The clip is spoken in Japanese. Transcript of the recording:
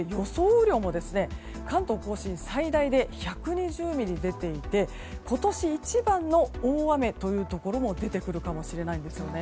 雨量も関東・甲信最大で１２０ミリ出ていて今年一番の大雨というところも出てくるかもしれないんです。